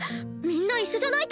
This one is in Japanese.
みんな一緒じゃないと。